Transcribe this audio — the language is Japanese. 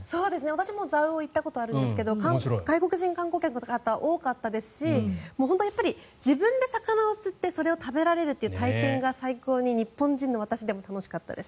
私もざうお行ったことあるんですが外国人観光客の方多かったですし自分で魚を釣ってそれを食べられる体験が最高に日本人の私でも楽しかったです。